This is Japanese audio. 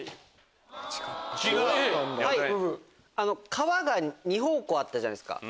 川が２方向あったじゃないですか。